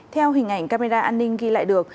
theo hình ảnh camera an ninh ghi lại được